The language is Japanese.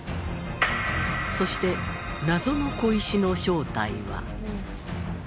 そして謎の小石の正体は。